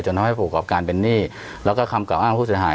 จนทำให้ผู้ประกอบการเป็นหนี้แล้วก็คำกล่าวอ้างผู้เสียหาย